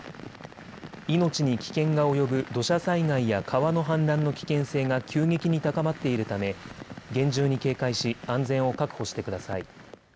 命に危険が及ぶ土砂災害や川の氾濫の危険性が急激に高まっているため厳重に警戒し安全を確保してください。